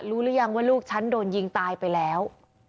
หรือยังว่าลูกฉันโดนยิงตายไปแล้ว